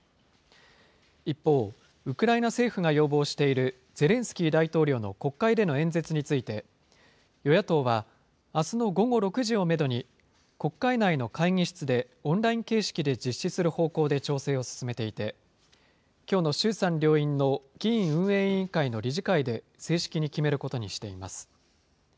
一方、ウクライナ政府が要望している、ゼレンスキー大統領の国会での演説について、与野党は、あすの午後６時をメドに、国会内の会議室でオンライン形式で実施する方向で調整を進めていて、きょうの衆参両院の議院運営委員会の理事会で正式に決めることにしています。